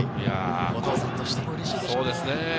お父さんとしてもうれしいでしょうね。